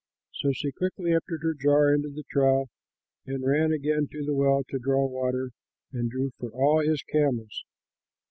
So she quickly emptied her jar into the trough and ran again to the well to draw water, and drew for all his camels.